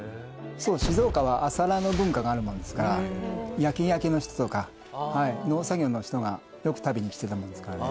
静岡は朝ラーの文化があるものですから夜勤明けの人とか農作業の人がよく食べに来てたものですからね。